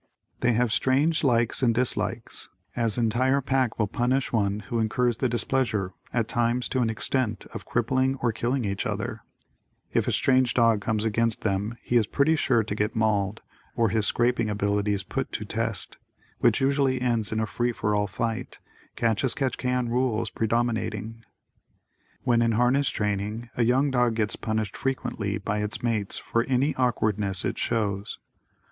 They have strange likes and dislikes. As entire pack will punish one who incurs the displeasure at times to an extent of crippling or killing each other. If a strange dog comes amongst them he is pretty sure to get "mauled" or his scraping abilities put to test, which usually ends in a free for all fight, catch as catch can rules predominating. When in harness training a young dog gets punished frequently by its mates for any awkwardness it shows.